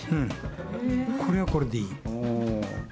これはこれでいい。